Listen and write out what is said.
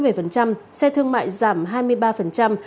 xe thương mại giảm hai mươi ba